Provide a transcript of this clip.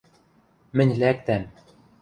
Мӹнь лӓктӓм...